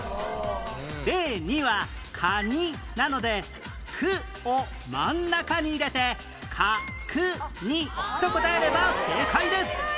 例２は「かに」なので「く」を真ん中に入れて「かくに」と答えれば正解です